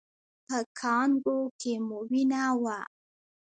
په کانګو کې مو وینه وه؟